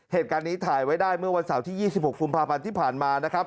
เหตุการณ์นี้ถ่ายไว้ได้เมื่อวันเสาร์ที่๒๖กุมภาพันธ์ที่ผ่านมานะครับ